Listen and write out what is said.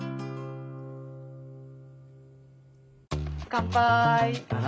乾杯。